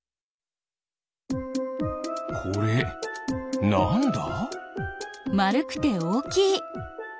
これなんだ？